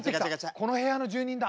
この部屋の住人だ！